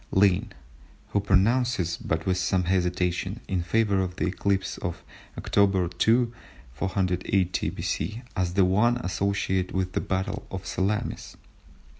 Lynn, who pronounces, but with some hesitation, in favour of the eclipse of October 2, 480 B.C., as the one associated with the battle of Salamis.